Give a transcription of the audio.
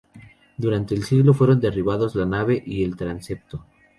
Durante el siglo fueron derribados la nave y el transepto.